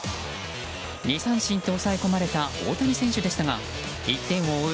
２三振と抑え込まれた大谷選手でしたが１点を追う